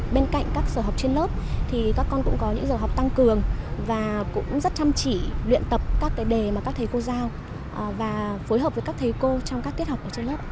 bên cạnh các sở học trên lớp các con cũng có những sở học tăng cường và cũng rất chăm chỉ luyện tập các đề mà các thầy cô giao và phối hợp với các thầy cô trong các tiết học trên lớp